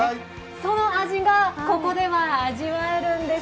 その味がここでは味わえるんです。